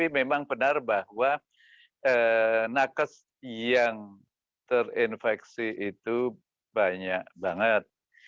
memang benar bahwa nakes yang terinfeksi itu banyak banget